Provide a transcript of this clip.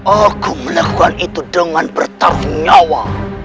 aku melakukan itu dengan bertaruh nyawa